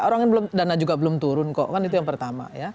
orang dana juga belum turun kok kan itu yang pertama ya